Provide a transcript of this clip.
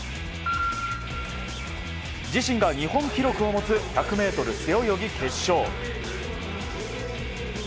自身が日本記録を持つ１００ｍ背泳ぎ決勝。